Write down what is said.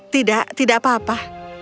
tidak tidak apa apa